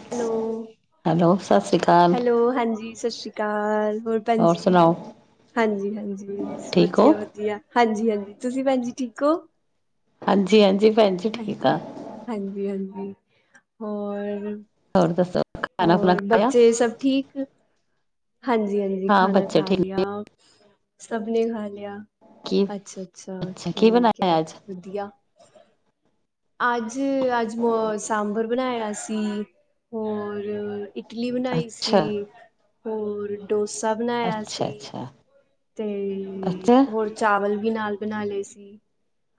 Hello, hello ਸਤਿ ਸ਼੍ਰੀ ਅਕਾਲ ਹੈਲੋ। ਹਾਂਜੀ, ਸਤਿ ਸ਼੍ਰੀ। [unintelligible] ਹੋਰ ਭੈਂਜੀ? ਹਾਂਜੀ, ਹਾਂਜੀ। ਠੀਕ ਹੋ ਵਧੀਆ, ਵਧੀਆ। ਹਾਂਜੀ, ਹਾਂਜੀ। ਤੁਸੀਂ, ਭੈੱਜੀ, ਠੀਕ ਹੋ? ਹਾਂਜੀ ਹਾਂਜੀ। ਭੈਣ ਜੀ ਠੀਕ ਹਾਂਜੀ ਆ ਹਾਂਜੀ ਹਾਂਜੀ। ਹੋਰ‌। ਹੋਰ ਦੱਸੋ ਖਾਣਾ ਖੁਣਾ ਹੋਰ ਖਾਇਆ ਬੱਚੇ ਸਭ ਠੀਕ ਹਾਂਜੀ ਹਾਂਜੀ ਹਾਂ ਖਾਣਾ ਬੱਚੇ ਖਾ ਠੀਕ ਲਿਆ ਨੇ ਸਭ ਨੇ ਖਾ ਲਿਆ ਕੀ ਅੱਛਾ ਅੱਛਾ ਕੀ ਠੀਕ ਹੈ ਬਣਾਇਆ ਅੱਜ ਵਧੀਆ। ਅੱਜ ਅੱਜ ਮ ਸਾਂਬਰ ਬਣਾਇਆ ਸੀ ਹੋਰ ਇੱਕ ਇਟਲੀ ਬਨਾਈ ਸੀ। ਅੱਛਾ ਹੋਰ ਡੋਸਾ ਬਣਾਇਆ ਅੱਛਾ ਸੀ। ਅੱਛਾ ਤੇ ਅੱਛਾ ਹੋਰ ਚਾਵਲ ਵੀ ਨਾਲ ਬਣਾ ਲਏ ਸੀ।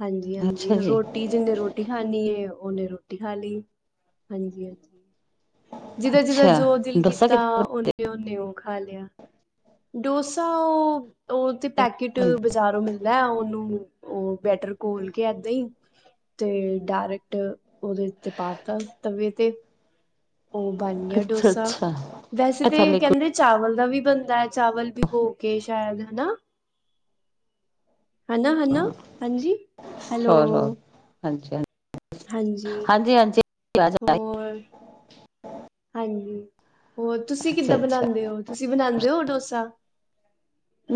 ਹਾਂਜੀ ਹਾਂਜੀ ਅੱਛਾ ਜੀ ਰੋਟੀ ਜਿੰਨੇ ਰੋਟੀ ਖਣੀ ਏ ਉਹ ਓਨੇ ਰੋਟੀ ਖਾ ਲਈ ਹਾਂਜੀ ਹਾਂਜੀ। ਜਿਦਾਂ ਜਿਦਾਂ ਅੱਛਾ ਜੋ ਦਿਲ ਡੋਸਾ ਕੀਤਾ ਕਿੱਦਾਂ ਬਣਾਉਂਦੇ? ਉਹਨੇ ਉਹਨੇ ਉਹ ਖਾ ਲਿਆ। ਡੋਸਾ‌ ਉਹ ਤੇ ਪੈਕੇਟ ਬਜ਼ਾਰੋਂ ਮਿਲ ਲੈ ਉਹਨੂੰ ਉਹ ਬੈਟਰ ਘੋਲ ਕੇ ਏਦਾਂ ਹੀ ਤੇ ਡਾਇਰੈਕਟ ਉਹਦੇ ਤੇ ਪਾਤਾ ਤਵੇ ਤੇ ਉਹ ਬਣ ਗਿਆ ਅੱਛਾ ਡੋਸਾ ਅੱਛਾ ਵੈਸੇ ਤੇ ਅੱਛਾ ਕਹਿੰਦੇ ਚਾਵਲ ਦਾ ਵੀ ਬਣਦਾ ਹੈ ਚਾਵਲ ਭਿਗੋਕੇ ਸ਼ਾਇਦ ਹਨਾ। ਹਨਾ ਹਨਾ ਲਿਕੁਇਡ। ਹਾਂਜੀ ਹੈਲੋ ਹੋਰ ਹੋਰ ਹਾਂਜੀ ਹਾਂਜੀ ਹਾਂਜੀ ਹਾਂਜੀ ਆਵਾਜ਼ ਆ ਰਹੀ ਹੋਰ। [inaudible] ਹਾਂਜੀ ਹੋਰ ਤੁਸੀਂ ਅੱਛਾ ਕਿੱਦਾਂ ਅੱਛਾ ਬਣਾਉਂਦੇ ਹੋ ਤੁਸੀਂ ਬਣਾਉਂਦੇ ਹੋ। ਦੋਸਾ।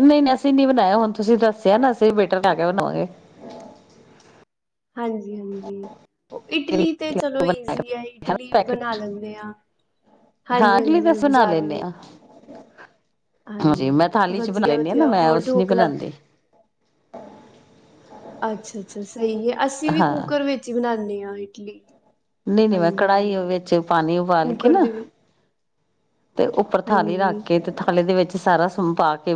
ਨਹੀਂ ਨਹੀਂ ਅਸੀਂ ਨੀ ਬਣਾਇਆ ਹੁਣ ਤੁਸੀਂ ਦੱਸਿਆ ਨਾ ਅਸੀਂ ਲਾ ਕੇ ਬਣਾਵਾਂਗੇ ਹਾਂਜੀ ਹਾਂਜੀ। ਉਹ ਇਟਲੀ ਤੇ ਚਲੋ ਈਜ਼ੀ ਆ ਇਟਲੀ ਵੀ ਪੈਕਟ ਬਣਾ ਲੈਂਦੇ ਆ ਹਾਂ ਹਾਂਜੀ ਇਡਲੀ ਤਾਂ ਹਾਂਜੀ ਅਸੀਂ ਬਣਾ ਬਜ਼ਾਰੋਂ ਲੈਂਦੇ ਹਾਂ ਮੈਂ ਹਾਂਜੀ ਥਾਲੀ ਚ ਬਣਾ ਵਧੀਆ ਲੈਂਦੀ ਹਾਂ ਨਾ ਵਧੀਆ ਮੈਂ ਹੋਰ ਉਸ ਚ ਨਹੀਂ ਢੋਕਲਾ ਬਣਾਉਂਦੀ ਅੱਛਾ ਅੱਛਾ ਸਹੀ ਹੈ ਅਸੀਂ ਵੀ ਹਾਂ ਕੁੂੱਕਰ ਵਿੱਚ ਹੀ ਬਣਾਣੇ ਇਡਲੀ ਨਹੀਂ ਨਹੀਂ ਮੈਂ ਹਾਂਜੀ ਕੜਾਹੀ ਹਾਂਜੀ ਵਿੱਚ ਪਾਣੀ ਉਬਾਲ ਕੇ ਕੁੂੱਕਰ ਨਾ ਦੇ ਵਿੱਚ ਤੇ ਉੱਪਰ ਥਾਲੀ ਹਾਂਜੀ ਰੱਖ ਕੇ ਤੇ ਥਾਲੀ ਦੇ ਵਿੱਚ ਅਤੇ ਸਾਰਾ ਸਮਾਨ ਪਾ ਕੇ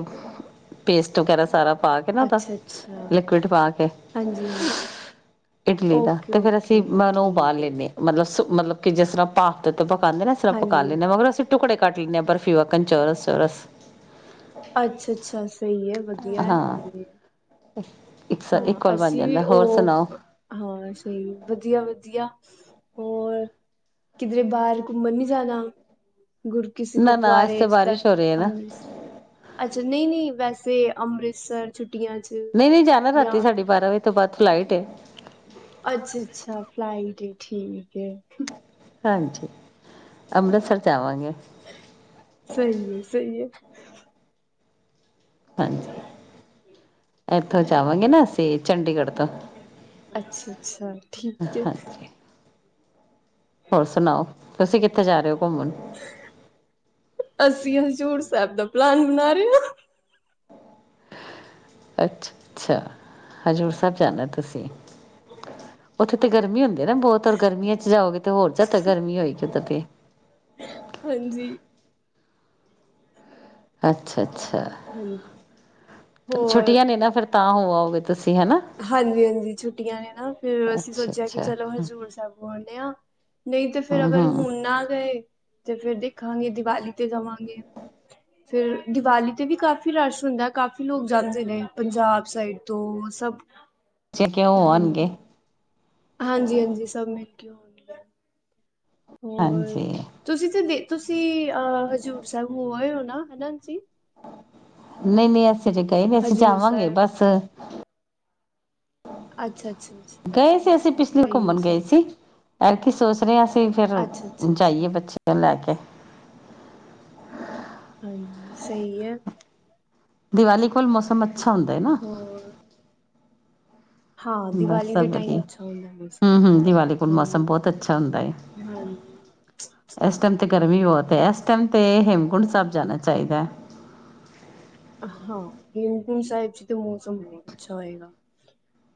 ਪੇਸਟ ਵਗੈਰਾ ਸਾਰਾ ਪਾ ਕੇ ਨਾ ਉਹਦਾ ਅੱਛਾ ਅੱਛਾ ਲਿਕੁਿਡ ਪਾ ਕੇ, ਹਾਂਜੀ ਹਾਂਜੀ ਇਡਲੀ ਦਾ ਓਕੇ ਤੇ ਫੇਰ ਅਸੀਂ ਓਕੇ ਮੈਂ ਉਹਨੂੰ ਉਬਾਲ ਠੀਕ ਹੈ ਲੈਂਨੇ। ਹ ਮਤਲਬ ਮਤਲਬ ਕਿ ਜਿਸ ਤਰ੍ਹਾਂ ਭਾਖਤ ਤੇ ਪਕਾਉਂਦੇ। ਇਸ ਤਰ੍ਹਾਂ ਪਕਾ ਹਾਂਜੀ ਲੈਂਦੇ। ਮਗਰ ਅਸੀਂ ਟੁਕੜੇ ਕਟ ਲ ਨੇ ਬਰਫ਼ੀ ਵਕਨ ਚੋਰਸ- ਚੋਰਸ ਅੱਛਾ -ਅੱਛਾ ਸਹੀ ਹੈ, ਵਧੀਆ ਹੈ, ਹਾਂਜੀ। ਅ [inaudible] ਹਾਂ। ਅਸੀਂ ਵੀ ਉਹ ਹਾਂ। ਸਹੀ ਵਧੀਆ -ਵਧੀਆ। ਹੋਰ ਕਿਧਰੇ ਬਾਹਰ ਘੁੰਮਣ ਵੀ ਜਾਣਾ। ਗੁਰ ਕਿਸੇ ਨਾ ਨਾ ਇਸ ਗੁਰਦੁਆਰੇ ਤੇ ਜਿੱਦਾਂ ਬਾਰਿਸ਼ ਹੋ ਰਹੀ ਹੈ ਨਾ ਅੰਮ੍ਰਿਤਸਰ, ਅੱਛਾ। ਨਹੀਂ -ਨਹੀਂ ਵੈਸੇ ਰੇ ਅੰਮ੍ਰਿਤਸਰ ਛੁੱਟੀ ਛੁੱਟੀਆਂ 'ਚ ਨਾ ਜਾਂ ਰਾਤੀ ਸਾਢੇ ਬਾਰਾਂ ਵਜੇ ਤੋਂ ਬਾਅਦ ਫਲਾਈਟ ਹੈ। ਅੱਛਾ- ਅੱਛਾ ਫਲਾਈਟ, ਠੀਕ ਹਾਂਜੀ। ਅੰਮ੍ਰਿਤਸਰ ਚ ਆਵਾਂਗੇ। ਸਹੀ ਹੈ, ਸਹੀ ਹੈ। ਹਾਂਜੀ। ਇੱਥੋਂ ਜਾਵਾਂਗੇ। ਨਾ ਅਸੀਂ ਅਤੇ ਚੰਡੀਗੜ੍ਹ ਤੋਂ ਅੱਛਾ- ਅੱਛਾ ਠੀਕ ਹੈ। ਹਾਂਜੀ ਹੋਰ ਸੁਣਾਓ, ਤੁਸੀਂ ਕਿੱਥੇ ਜਾ ਰਹੇ ਹੋ? ਘੁੰਮਣ ਅੱਸੀ ਹਜੇ ਤੂੜ ਸਾਹਿਬ ਦਾ ਪਲਾਨ ਬਣਾ ਰਹੇ ਹਾਂ। ਅੱਛ- ਅੱਛਾ ਹਜ਼ੂਰ ਸਾਹਿਬ ਜਾਣਾ। ਤੁਸੀਂ ਉੱਥੇ ਤੇ ਗਰਮੀ ਹੁੰਦੀ ਨਾ ਬਹੁਤ ਰ ਗਰਮੀਆਂ ਚ ਜਾਓਗੇ। ਤੇ ਹੋਰ ਜਿਆਦਾ ਗਰਮੀ ਹੋਏਗੀ। ਓਦਾਂ ਤੇ ਹਾਂਜੀ ਅੱਛਾ- ਅੱਛਾ। ਹਾਂਜੀ ਅੱਛਾ ਹੋਰ ਛੁੱਟੀਆਂ ਨੇ ਨਾ ਫੇਰ ਤਾਂ ਹੋ ਆਵੋਗੇ। ਤੁਸੀਂ ਹਨਾ। ਹਾਂਜੀ- ਹਾਂਜੀ ਛੁੱਟੀਆਂ ਨੇ ਨਾ ਫਿਰ ਅਸੀਂ ਅੱਛਾ ਸੋਚਿਆ ਕਿ ਅੱਛਾ ਚਲੋ, ਹਮ ਹਜ਼ੂਰ ਸਾਹਿਬ ਬੋਲਦੇ ਹਾਂ। ਨਹੀਂ ਤੇ ਫਿਰ ਅਗਰ ਹਮ ਹੁਣ ਨਾ ਗਏ। ਤੇ ਫੇਰ ਦੇਖਾਂਗੇ ਦੀਵਾਲੀ ਤੇ ਜਾਵਾਂਗੇ ਫੇਰ ਦੀਵਾਲੀ ਤੇ ਵੀ ਕਾਫ਼ੀ ਰਸ਼ ਹੁੰਦਾ। ਕਾਫੀ ਲੋਕ ਜਾਂਦੇ ਨੇ ਪੰਜਾਬ ਸਾਈਡ ਤੋਂ ਸਭ ਬੱਚੇ ਕਿਉਂ ਹਾਂਜੀ- ਆਉਣਗੇ ਹਾਂਜੀ- ਹਾਂਜੀ ਸਭ ਮਿਲ ਕਿਉਂ ਹੁੰਦੀ ਆ। ਹੋਰ ਹਾਂਜੀ ਤੁਸੀਂ ਤੇ ਦੇ ਤੁਸੀਂ ਆਹ ਹਜ਼ੂਰ ਸਾਹਿਬ ਹੋ ਆਏ ਓ? ਆ ਹਨਾ ਜੀ। ਨਹੀਂ-ਨਹੀਂ ਅਸ ਅਜੇ ਗਏ ਨੀ ਅਸੀਂ ਹਜ਼ੂਰ ਜਾਵਾਂਗੇ ਸਾਹਿਬ ਬਸ। ਅੱਛਾ-ਅੱਛ ਗਏ ਸੀ ਅਸੀਂ, ਪਿਛਲੇ ਘੁੰਮਣ ਗਏ ਸਹੀ ਸੀ। ਹੈ ਐਤ ਕੀ ਸੋਚ ਰਹੇ ਆਂ ਫਿਰ ਅੱਛਾ ਅੱਛਾ ਅੱਛਾ ਜਾਈਏ ਬੱਚਿਆਂ ਨੂੰ ਲੈ ਕੇ। ਸਹੀ ਐ। ਦੀਵਾਲੀ ਕੋਲ ਮੌਸਮ ਅ ਅੱਛਾ ਹੁੰਦਾ ਐ ਨਾ। ਹੋਰ ਹਾਂ ਬਸ ਦੀਵਾਲੀ ਦੇ ਸਭ ਟਾਈਮ ਵਧੀਆ, ਅੱਛਾ ਹੁੰਦਾ ਮੌਸਮ ਹੂੰ ਹੂੰ, ਦੀਵਾਲੀ ਕੋਲ ਮੌਸਮ ਹਾਂਜੀ ਬਹੁਤ ਅੱਛਾ ਹੁੰਦਾ ਏ, ਹਾਂਜੀ ਇਸ ਟਾਈਮ ਤੇ ਹਾਂਜੀ ਗਰਮੀ ਬਹੁਤ ਐ, ਇਸ ਟਾਈਮ ਤੇ ਹੇਮਕੁੰਡ ਸਾਹਿਬ ਜਾਣਾ ਚਾਹੀਦਾ ਐ। ਹਾਂ ਹੇਮਕੁੰਟ ਸਾਹਿਬ ਜੀ ਤੇ ਮੌਸਮ ਬਹੁਤ ਅੱਛਾ ਹੋਏਗਾ।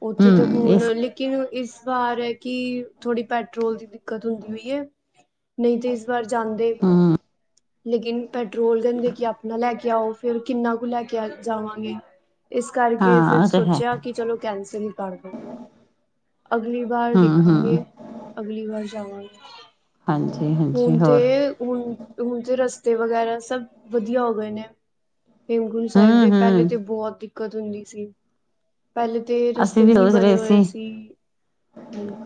ਉੱਥੇ ਤਾਂ ਹੂੰ ਹੁਨ ਇਸ ਲੇਕਿਨ ਇਸ ਵਾਰ ਹੈ ਕਿ ਥੋੜ੍ਹੀ ਪੈਟਰੋਲ ਦੀ ਦਿਕ ਦਿੱਕਤ ਹੁੰਦੀ ਹੋਈ ਹੈ ਨਹੀਂ ਤੇ ਇਸ ਵਾਰ ਜਾਂਦੇ। ਹੂੰ ਲੇਕਿਨ ਪੈਟਰੋਲ ਦਾ ਹੁੰਦਾ ਕਿ ਆਪਣਾ ਲੈ ਕੇ ਕੇ ਆਓ, ਫਿਰ ਕਿੰਨਾ ਕੁ ਲੈ ਕੇ ਆ ਜਾਵਾਂਗੇ। ਇਸ ਕਰਕੇ ਫਿਰ ਹਾਂ ਉਹ ਤੇ ਹੈ ਸੋਚਿਆ ਕਿ ਚਲੋ ਕੈਂਸਲ ਹੀ ਕਰਦੋ, ਅਗਲੀ ਵਾਰ ਹੂੰ ਦੇਖਾਂਗੇ, ਹੂੰ ਅਗਲੀ ਵਾਰ। [unintelligible] ਹਾਂਜੀ ਹਾਂਜੀ ਹੁਨ ਤੇ, ਹੋਰ ਹੁਨ-ਹੁਨ ਤੇ ਰਸ ਤੇ ਵਗੈਰਾ ਸਭ ਵਧੀਆ ਹੋ ਗਏ ਨੇ। ਹੇਮ ਕੁੰਡ ਸਾਹਿਬ ਹੂੰ ਦੇ ਪਹਿਲੇ ਹੂੰ ਤੇ ਬਹੁਤ ਹੀ ਦਿੱਕਤ ਹੁੰਦੀ ਸੀ। ਪਹਿਲੇ ਤੇ ਅਸੀਂ ਰਸਤੇ ਵੀ ਨੀ ਸੋਚ ਬਣੇ ਰਹੇ ਹੋਏ ਸੀ, ਹਾਂਜੀ।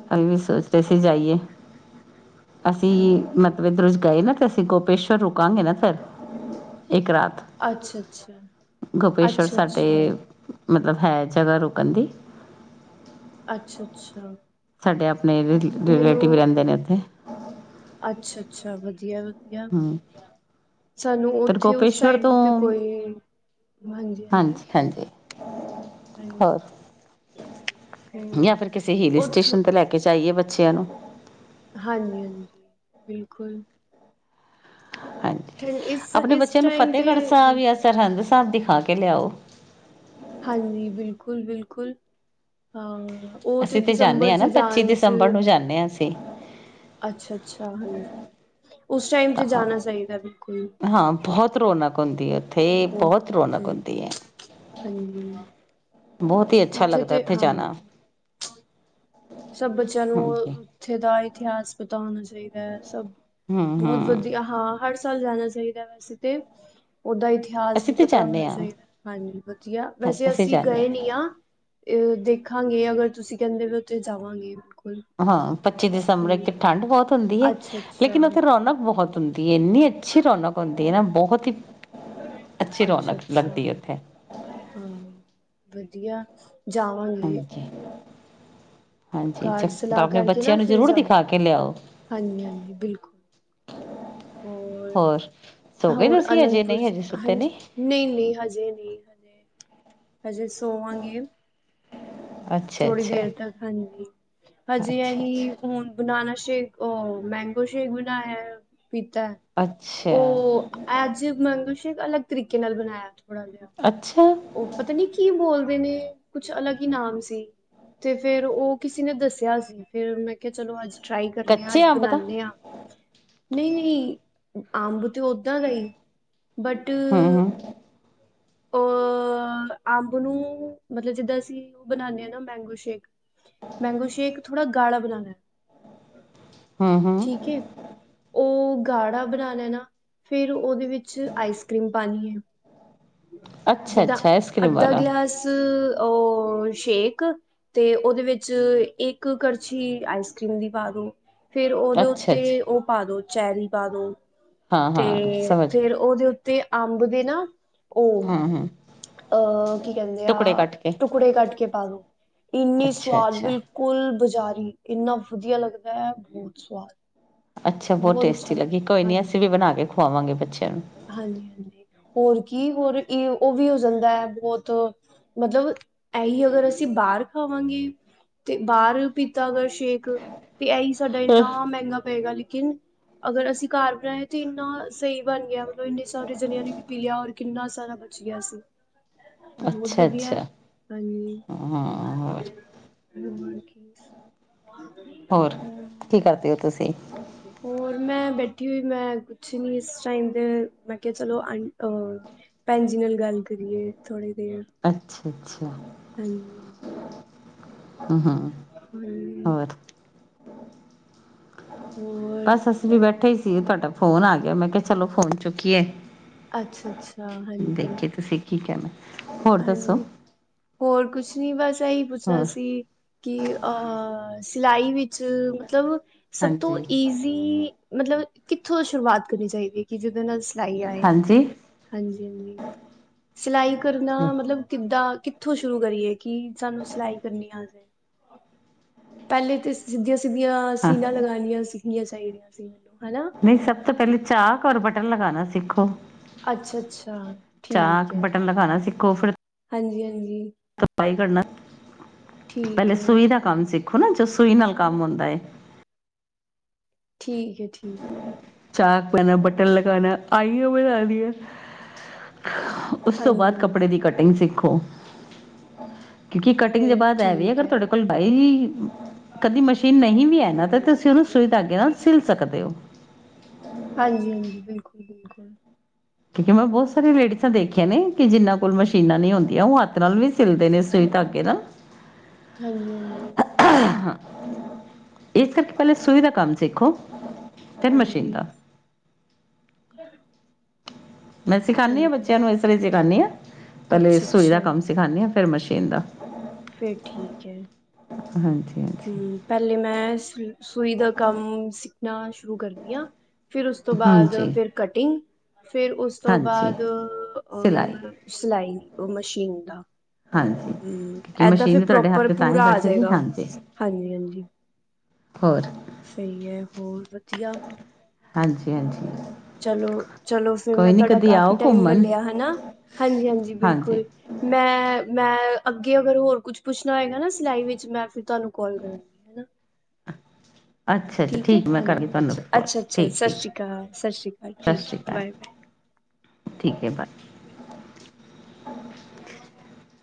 ਉੱਥੇ ਜਾਈਏ। ਅਸੀਂ ਹਾਂਜੀ। ਮਤਲਬ [unintelligible] ਗਏ ਨਾ ਤੇ ਅਸੀਂ ਗੋਪੇਸ਼ਵਰ ਰੁਕਾਂਗੇ ਨਾ ਫਿਰ ਇੱਕ ਰਾਤ ਅੱਛਾ ਅੱਛਾ ਗੋਪੇਸ਼ਵਰ ਅੱਛਾ ਅੱਛਾ ਸਾਡੇ ਮਤਲਬ ਹੈ ਜਗ੍ਹਾ ਰੁਕਨ ਦੀ। ਅੱਛਾ ਅੱਛਾ ਛੱਡਿਆ, [unintelligible] ਆਪਣੇ ਮੈਨੂੰ ਰਿਲੇਟਿਵ ਰਹਿੰਦੇ ਨੇ ਉੱਥੇ, [unintelligible] ਅੱਛਾ ਅੱਛਾ ਵਧੀਆ। ਹਮ ਸਾਨੂੰ ਫਿਰ ਉਥੇ ਉਸ ਗੋਪੇਸ਼ਵਰ ਸਾਈਡ ਤੋਂ ਤੇ ਕੋਈ ਹਾਂਜੀ-ਹਾਂਜੀ। ਹਾਂਜੀ ਹਾਂਜੀ ਹੋਰ ਜਾਂ ਹਮ ਫਿਰ ਕਿਸੇ ਹਿੱਲ ਉੱਥ ਸਟੇਸ਼ਨ ਤੇ ਲੈ ਕੇ ਜਾ ਆਈਏ ਬ ਬੱਚਿਆਂ ਨੂੰ- ਹਾਂਜੀ ਹਾਂਜੀ। ਬਿਲਕੁਲ ਹਾਂਜੀ ਠੰਡ ਇਸ ਆਪਣੇ ਇਸ ਬੱਚਿਆਂ ਨੂੰ ਟਾਈਮ ਤੇ ਫਤਿਹਗੜ੍ਹ ਸਾਹਿਬ ਹਾਂਜੀ ਆ ਸਰਹਿੰਦ ਘਰ ਦੀਖਾ ਕੇ ਲਿਆਓ। ਹਾਂਜੀ ਬਿਲਕੁਲ-ਬਿਲਕੁਲ। ਬਿਲਕੁਲ ਹਾਂ। [unintelligible] ਉਹ ਤੇ ਅਸੀਂ ਜਾਂਦੇ ਦਸੰਬਰ ਹਾਂ ਚ ਨਾ ਪੱਚੀ ਜਾਣ ਚ ਦਸੰਬਰ ਨੂੰ ਜਾਂਦੇ ਹਾਂ ਅਸੀਂ ਅੱਛਾ-ਅੱਛਾ ਹਾਂਜੀ। ਉਸ ਟਾਈਮ ਤਾਂ ਤੇ ਜਾਣਾ ਚਾਹੀਦਾ ਬਿਲਕੁਲ ਹਾਂ ਬਹੁਤ ਰੌਨਕ ਹੁੰਦੀ ਹੈ। ਉੱਥੇ ਬਹੁਤ ਰੌਨਕ ਹੁੰਦੀ ਹੈ। ਹਾਂਜੀ ਬਹੁਤ ਹੀ ਅੱਛਾ ਲੱਗਦਾ ਤੇ ਉੱਥੇ ਹਾਂ ਜਾਣਾ। ਸਭ ਬੱਚਿਆਂ ਨੂੰ ਹਾਂਜੀ ਉੱਥੇ ਦਾ ਇਤਿਹਾਸ ਪਤਾ ਹੋਣਾ ਚਾਹੀਦਾ। ਚਾਹੀਦਾ ਹੈ ਸਭ ਹਮ ਬਹੁਤ ਹਮ ਵਧੀਆ ਹਾਂ। ਚੱਲ ਜਾਣਾ ਚਾਹੀਦਾ ਵੈਸੇ ਤੇ, [unintelligible] ਓਦਾ ਇਤਿਹਾਸ ਅਸੀਂ ਵੀ ਤੇ ਪਤਾ ਹੋਣਾ ਜਾਂਦੇ ਹਾਂ ਚਾਹੀਦਾ ਹਾਂਜੀ ਵਧੀਆ ਵੈਸੇ ਅਸੀਂ ਗਏ ਨੀ ਆ। ਅ ਦੇਖਾਂਗੇ ਅਗਰ ਤੁਸੀਂ ਕਹਿੰਦੇ ਹੋ। [unintelligible] ਔ ਜਾਵਾਂਗੇ। [unintelligible] ਹਾਂ ਪੱਚੀ ਦਸੰਬਰ ਇੱਕ ਹਾਂਜੀ ਠੰਡ ਬਹੁਤ ਹੁੰਦੀ ਹੈ ਲੇਕਿਨ ਅੱਛਾ-ਅੱਛਾ ਉੱਥੇ ਰੌਣਕ ਬਹੁਤ ਹੁੰਦੀ ਇੰਨੀ ਅੱਛੀ ਰੌਨਕ ਹੁੰਦੀ ਨਾ ਬਹੁਤ ਹੀ ਅੱਛੀ ਰੌਨਕ ਅੱਛਾ-ਅੱਛਾ ਲੱਗਦੀ ਹੈ ਉੱਥੇ। ਹਾਂ ਵਧੀਆ ਜਾਵਾਂਗੇ? ਹਾਂਜੀ ਹਾਂਜੀ ਚ ਘਰ ਸਲਾਹ ਆਪਣੇ ਕਰਕੇ ਨਾ ਬੱਚਿਆਂ ਨੂੰ ਫਿਰ ਜ਼ਰੂਰ ਦਿਖਾ ਜਾਵਾਂਗੇ ਕੇ ਲਿਆਓ? ਹੋਰ ਸੋ ਗਏ ਹੋਰ ਤੁਸੀਂ ਅਜੇ ਅਨੰਦਪੁਰ ਨਹੀਂ ਹਜੇ ਸੁੱਤੇ ਹਾਂਜੀ ਨਹੀਂ ਨਹੀਂ ਹਜੇ ਨਹੀਂ। ਹ ਹਜੇ ਸੋਵਾਂਗੇ। ਅੱਛਾ ਥੋੜ੍ਹੀ ਅੱਛਾ ਦੇਰ ਤੱਕ ਹਾਂਜੀ ਅੱਛਾ ਹਜੇ ਅਸੀਂ ਅੱਛਾ ਹੁਣ ਬਣਾਉਣਾ ਸ਼ੇਕ ਮੈਂਗੋ ਸ਼ੇਕ ਬਣਾਇਆ, ਪੀਤਾ ਅੱਛਾ ਉਹ ਅੱਜ ਮੰਨ ਅਲੱਗ ਤਰੀਕੇ ਨਾਲ ਬਣਾਇਆ ਥੋੜਾ ਜਿਹਾ ਅੱਛਾ। ਉਹ ਪਤਾ ਨੀ ਕੀ ਬੋਲਦੇ ਨੇ ਕੁਛ ਅਲੱਗ ਹੀ ਨਾਮ ਸੀ ਤੇ ਫੇਰ ਉਹ ਕਿਸੇ ਨੇ ਦੱਸਿਆ ਸੀ ਫੇਿਰ ਮੈਂ ਕਿਹਾ ਚਲੋ ਅੱਜ ਟਰਾਈ ਕਰਨ ਹ ਅੱ ਕੱਚੇ ਅੰਬ ਦਾ ਬਣਾਦੇ ਹਾਂ ਨਹੀਂ ਨਹੀਂ ਅੰਬ ਉਦਾਂ ਗਈ ਬਟ ਹਮ ਹਮ ਅ ਅੰਬ ਨੂੰ ਮਤਲਬ ਜਿੱਦਾਂ ਅਸੀਂ ਉਹ ਬਣਾਉਦੇ ਹਾਂ ਨਾ ਮੈਂਗੋ ਸ਼ੇਕ ਮੈਂਗੋ ਸ਼ੇਕ ਥੋੜ੍ਹਾ ਗਾਲਾ ਬਣਾਉਣਾ ਹਮ ਹਮ ਠੀਕ ਉਹ ਗਾੜਾ ਬਣਾ ਲੈ ਨਾ ਫੇਿਰ ਉਹਦੇ ਵਿੱਚ ਆਈਸ ਕਰ੍ਰੀਮ ਪਾਣੀ ਹੈ। ਜਿੱਦਾਂ ਅੱਧਾ ਗਲਾਸ ਉਹ ਸ਼ੇਕ ਤੇ ਉਹਦੇ ਵਿੱਚ ਇੱਕ ਕਰੜਛੀ ਆਈਸ ਕਰ੍ਰੀਮ ਦੀ ਪਾ ਦਓ। ਫੇਿਰ ਉਹਦੇ ਉੱਤੇ ਉਹ ਪਾ ਦੋ ਚੈਰੀ ਪਾ ਦੋ, ਤੇ ਫੇਰ ਉਹਦੇ ਤੇ ਅੰਬ ਦੇ ਨਾ ਉਹ ਹਮ ਹਮ ਅਹ ਕੀ ਕਹਿੰਦੇ ਆ ਟੁਕੜੇ ਕੱਟ ਕੇ ਟੁਕੜੇ ਕੱਟ ਕੇ ਪਾ ਦੋ ਇੰਨੀ ਅੱਛਾ ਸਵਾਦ ਅੱਛਾ ਬਿਲਕੁਲ ਬਾਜ਼ਾਰੀ ਇੰਨਾ ਵਧੀਆ ਲੱਗਦਾ ਹੈ ਬਹੁਤ ਸਵਾਦ। ਅੱਛਾ ਬਹੁਤ ਅੱਛਾ ਟੇਸਟੀ ਲੱਗੀ ਕੋਈ ਲੱਗਦਾ ਨੀ ਅਸੀਂ ਵੀ ਬਣਾ ਕੇ ਖੁਵਾਵਾਂਗੇ ਹਾਂਜੀ ਹਾਂਜੀ ਹੋਰ ਕੀ ਹੋਰ ਇਹ ਉਹ ਵੀ ਹੋ ਜਾਂਦਾ ਹੈ ਬਹੁਤ ਮਤਲਬ ਇਹੀ ਅਗਰ ਅਸੀਂ ਬਾਹਰ ਖਾਵਾਂਗੇ ਤੇ ਬਾਹਰ ਤਾਂ ਅਗਰ ਸ਼ੇਕ ਤੇ ਇਹੀ ਸਾਡਾ ਇੰਨਾ ਮਹਿੰਗਾ ਪਏਗਾ ਲੇਕਿਨ ਅਗਰ ਅਸੀਂ ਘਰ ਬਣਾਏ ਤੇ ਇੰਨਾ ਸਹੀ ਬਣ ਗਿਆ ਮਤਲਬ ਇੰਨੇ ਸਾਰੇ ਜਣਿਆਂ ਨੂੰ ਵੀ ਪੀ ਲਿਆ ਔਰ ਕਿੰਨਾ ਸਾਰਾ ਬਚ ਗਿਆ ਸੀ। ਬਹੁਤ ਅੱਛਾ ਵਧੀਆ ਅੱਛਾ ਹਾਂਜੀ। ਹਾਂ ਹੋਰ [inaudible] ਹੋਰ ਕੀ ਹੋਰ ਕਰਦੇ ਹੋ ਤੁਸੀਂ ਹੋਰ ਮੈਂ ਬੈਠੀ ਹੋਈ ਮੈਂ ਕੁਛ ਨੀ ਇਸ ਟਾਈਮ ਤੇ ਮੈਂ ਕਿਹਾ ਚਲੋ ਭੈਣ ਜੀ ਨਾਲ ਗੱਲ ਕਰੀਏ ਥੋੜੇ ਅੱਛਾ ਅੱਛਾ। ਹਾਂਜੀ। ਹਮ ਹਮ ਹੋਰ [inaudible] ਹੋਰ ਬਸ ਅੱਸੀ ਵੀ ਬੈਠੇ ਹੀ ਸੀ। ਤੁਹਾਡਾ ਫੋਨ ਆ ਗਿਆ, ਮੈਂ ਕਿਹਾ ਚਲੋ ਫੋਨ ਚੁੱਕੀਏ। ਅੱਛਾ- ਅੱਛਾ ਹਾਂਜੀ। ਦੇਖੀ ਤੁਸੀਂ ਕੀ ਕਹਿਣਾ ਹੋਰ ਦੱਸੋ ਹਾਂਜੀ ਹੋਰ ਕੁਛ ਨੀ ਬਸ, ਇਹੀ ਪੁੱਛਣਾ ਹੋਰ ਸੀ ਕਿ ਅਹ ਸਿਲਾਈ ਵਿੱਚ ਮਤਲਬ ਸਭ ਤੋਂ ਹਾਂਜੀ ਈਜ਼ੀ ਮਤਲਬ ਕਿੱਥੋਂ ਸ਼ੁਰੂਆਤ ਕਰਨੀ ਚਾਹੀਦੀ ਹੈ, ਕਿ ਜਿਹਦੇ ਨਾਲ ਸਿਲਾਈ ਆਏ, ਹਾਂਜੀ ਹਾਂਜੀ -ਹਾਂਜੀ ਸਿਲਾਈ ਕਰ ਮਤਲਬ ਕਿੱਦਾਂ? ਤਾਂ, ਕਿੱਥੋਂ ਸ਼ੁਰੂ ਕਰੀਏ। ਕੀ ਸਾਨੂੰ ਸਿਲਾਈ ਕਰਨੀ ਆਜੇ। ਪਹਿਲੇ ਤੇ ਸਿੱਧੀਆਂ- ਸਿੱਧੀਆਂ ਹਾਂ ਸੀਨਾ ਲਗਣੀਆਂ ਸਿੱਖਣੀਆਂ ਚਾਹੀਦੀਆਂ ਸੀ, ਹਨਾ ਸਿੱਖੋ। ਅੱਛਾ-ਅੱਛਾ, ਠੀਕ ਚਾਕ ਹੈ, ਬਟਨ ਲਗਾਉਣਾ ਸਿੱਖੋ। ਫਿਰ, ਹਾਂਜੀ-ਹਾਂਜੀ। ਾਈ [inaudible] ਠੀਕ ਪਹਿਲੇ ਹੈ, ਸੂਈ ਦਾ ਕੰਮ ਸਿੱਖਿਆ ਦੇਖੋ ਨਾ, ਜੋ ਸੂਈ ਨਾਲ ਕੰਮ ਹੁੰਦਾ ਹੇ। ਠੀਕ ਹੈ। ਠੀਕ ਹੈ। ਚਾਕ ਪਾਣਾ, ਬਟਨ ਲਗਾਣਾ ਆਈ ਬਣਾ ਦੀਆਂ ਉਸ ਤੋਂ ਬਾਅਦ ਹਾਂਜੀ, ਕੱਪੜੇ ਦੀ, ਹਾਂਜੀ। ਕਟਿੰਗ ਸਿੱਖੋ। [inaudible] ਕਿਉਂਕਿ ਕਟਿੰਗ ਦੇ ਫੇਰ ਬਾਅਦ ਇਹ ਵੀ, ਠੀਕ ਅਗਰ ਹੈ, ਤੁਹਾਡੇ ਕੋਲ ਬਾਈ ਕਦੀ ਮਸ਼ੀਨ ਨਹੀਂ ਵੀ ਹੈ ਨਾ ਤੇ, ਤੁਸੀਂ ਉਹਨੂੰ ਸੁਈ- ਧਾਗੇ ਨਾਲ ਸਿਲ ਸਕਦੇ ਹੋ। [inaudible] ਹਾਂਜੀ -ਹਾਂਜ। ਬਿਲਕੁਲ। ਬਿਲਕੁਲ। ਕਿਉਂਕਿ ਮੈਂ ਬਹੁਤ ਸਾਰੀਆਂ ਲੇਡੀਜ਼ਾਂ ਦੇਖੀਆਂ ਨੇ ਕਿ, ਜਿਨਾਂ ਕੋਲ ਮਸ਼ੀਨਾਂ ਨਹੀਂ ਹੁੰਦੀਆਂ ਉਹ ਹੱਥ ਨਾਲ ਵੀ ਸਿਲਦੇ ਨੇ, ਸੂਈ ਧਾਗੇ ਦਾ ਹਾਂਜੀ-ਹਾਂਜੀ‌। ਹਾਂ-ਹਾਂ। ਇਸ ਕਰਕੇ ਪਹਿਲਾਂ ਸੂਈ ਦਾ ਕੰਮ ਸਿੱਖੋ, ਫਿਰ ਮਸ਼ੀਨ ਹਾਂਜੀ, ਦਾ। ਮੈਂ ਸਿਖਾਂਦੀ ਹਾਂ ਹਾਂਜੀ, ਬੱਚਿਆਂ ਨੂੰ ਇਸ। [unintelligible] [unintelligible] ਨੀ ਆ। ਪਹਿਲੇ ਅੱਛਾ, ਸੂਈ ਦਾ ਅੱਛਾ। ਕੰਮ ਸਿਖਾਣੀ ਹਾਂ। ਫਿਰ ਮਸ਼ੀਨ ਦਾ। ਫੇਰ ਠੀਕ ਹੈ। ਹਾਂਜੀ। ਹਾਂਜੀ ਹੁਂ ਪਹਿਲੇ ਮੈਂ ਸੂਈ ਦਾ ਕੰਮ ਸਿੱਖਣਾ ਸ਼ੁਰੂ ਕਰਦੀ ਹਾਂ, ਫਿਰ ਉਸ ਤੋਂ ਬਾਅਦ ਹਾਂਜੀ ਫਿਰ ਕਟਿੰਗ ਫੇਰ ਉਸ ਤੋਂ ਹਾਂਜੀ ਬਾਅਦ ਸਿਲਾਈ ਅ ਸਿਲਾਈ। ਉਹ ਮਸ਼ੀਨ ਦਾ ਹਾਂਜੀ ਹੁਂ, ਕਿਉਂਕਿ ਏਦਾਂ ਫਿਰ ਮਸ਼ੀਨ ਵੀ ਤੁਹਾਡੇ ਹੱਥ ਪ੍ਰੋਪਰ 'ਤੇ ਤਾਂ ਹੀ ਪੂਰਾ ਆ ਬੈਠੇਗੀ ਜਾਏਗਾ। ਹਾਂਜੀ ਹਾਂਜੀ -ਹਾਂਜੀ। ਹੋਰ। ਸਹੀ ਹੈ। ਹੋਰ ਵਧੀਆ? ਹਾਂਜੀ-ਹਾਂਜੀ। ਚਲੋ- ਚਲੋ, ਫਿਰ ਮੈਂ ਤੁਹਾਡਾ ਕਾਫੀ ਆਓ ਟਾਈਮ ਲੈ ਘੁੰਮਣ ਲਿਆ। ਹੈ ਨਾ? ਹਾਂਜੀ-ਹਾਂਜੀ ਹਾਂਜੀ ਬਿਲਕੁਲ। ਮੈਂ-ਮੈਂ ਅੱਗੇ ਅਗਰ ਹੋਰ ਕੁੱਛ ਪੁਛ [unintelligible] ਗਾ ਨਾ ਸਿਲਾਈ ਵਿੱਚ ਮੈਂ ਫਿਰ ਤੁਹਾਨੂੰ ਕਾਲ ਕਰਾਂਗੀ। ਅੱਛਾ ਅੱਛਾ ਠੀਕ ਹੈ? ਮੈਂ ਕਰਾਂਗੀ ਹਾਂਜੀ, ਤੁਹਾਨੂੰ ਫੋਨ ਅੱਛਾ-ਅੱਛਾ। ਠੀਕ ਸਤਿ ਠੀਕ ਸ੍ਰੀ ਅਕਾਲ। ਸਤਿ ਸ਼੍ਰੀ ਅਕਾਲ। ਸਤਿ ਠੀਕ ਸ਼੍ਰੀ ਹੈ। ਅਕਾਲ ਬਾਏ। ਠੀਕ ਹੈ। ਬਾਏ। [inaudible]